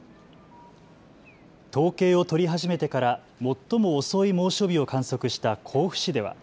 統計を取り始めてから最も遅い猛暑日を観測した甲府市では。